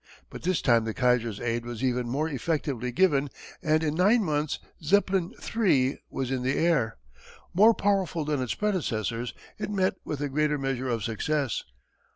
But this time the Kaiser's aid was even more effectively given and in nine months Zeppelin III. was in the air. More powerful than its predecessors it met with a greater measure of success.